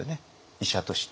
医者として。